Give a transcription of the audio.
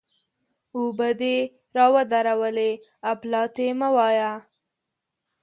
اوبه دې را ودرولې؛ اپلاتي مه وایه!